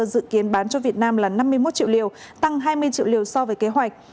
dự kiến bán cho việt nam là năm mươi một triệu liều tăng hai mươi triệu liều so với kế hoạch